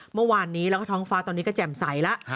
เมื่อวานนี้แล้วก็ท้องฟ้าตอนนี้ก็แจ่มใสแล้ว